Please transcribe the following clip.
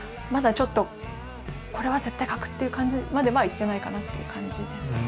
ちょっとこれは絶対描くっていう感じまではいってないかなって感じですけどね。